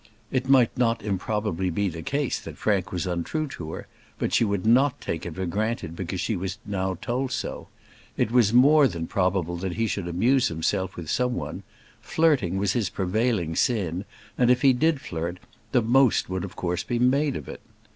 It might not improbably be the case that Frank was untrue to her; but she would not take it for granted because she was now told so. It was more than probable that he should amuse himself with some one; flirting was his prevailing sin; and if he did flirt, the most would of course be made of it.